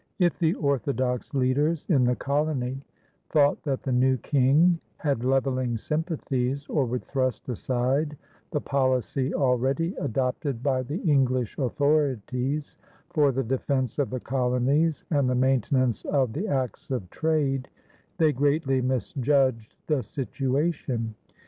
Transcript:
If the orthodox leaders in the colony thought that the new King had levelling sympathies or would thrust aside the policy already adopted by the English authorities for the defense of the colonies and the maintenance of the acts of trade, they greatly misjudged the situation.